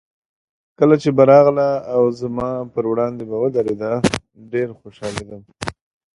کله چې به راغله او زما په وړاندې به ودرېده، ډېر خوشحالېدم.